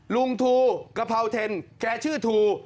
ลุงทูกะเพราเทนแกชื่อทู